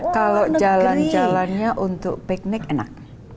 kalau jalan jalannya untuk piknik enak